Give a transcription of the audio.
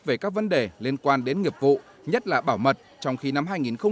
về các vấn đề liên quan đến nghiệp vụ nhất là bảo mật trong khi năm hai nghìn một mươi chín